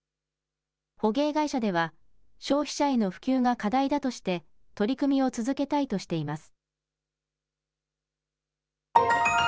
捕鯨会社では、消費者への普及が課題だとして、取り組みを続けたいとしています。